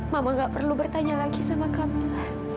mama nggak perlu bertanya lagi sama kamu mila